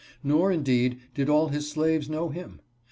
Nor, indeed, did all his slaves know him.